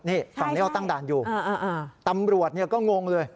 นี่ฝั่งนี้เขาตั้งด่านอยู่ตำรวจก็งงเลย